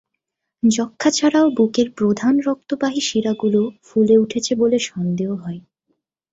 যক্ষ্মা ছাড়াও বুকের প্রধান রক্তবাহী শিরাগুলোও ফুলে উঠেছে বলে সন্দেহ হয়।